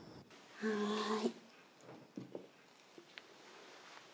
はい。